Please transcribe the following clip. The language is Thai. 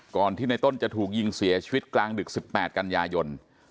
ก่อนที่ในต้นจะถูกยิงเสียชีวิตกลางดึก๑๘กันยายน